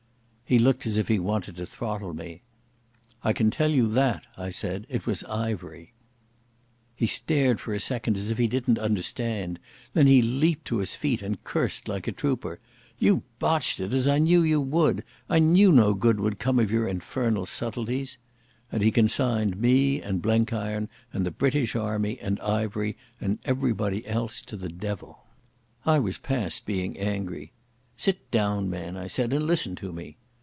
He looked as if he wanted to throttle me. "I can tell you that," I said. "It was Ivery." He stared for a second as if he didn't understand. Then he leaped to his feet and cursed like a trooper. "You've botched it, as I knew you would. I knew no good would come of your infernal subtleties." And he consigned me and Blenkiron and the British army and Ivery and everybody else to the devil. I was past being angry. "Sit down, man," I said, "and listen to me."